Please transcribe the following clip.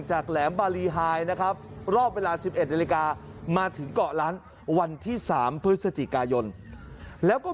จากแหลมบารีไฮนะครับรอบเวลา๑๑นาฬิกา